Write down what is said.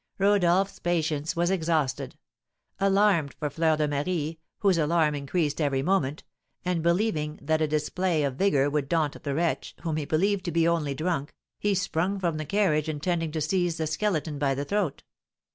Rodolph's patience was exhausted. Alarmed for Fleur de Marie, whose alarm increased every moment, and believing that a display of vigour would daunt the wretch, whom he believed to be only drunk, he sprung from the carriage, intending to seize the Skeleton by the throat.